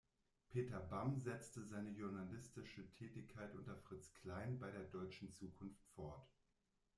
Peter Bamm setzte seine journalistische Tätigkeit unter Fritz Klein bei der "Deutschen Zukunft" fort.